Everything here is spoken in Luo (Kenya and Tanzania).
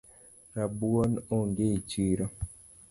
Rabuon onge echiro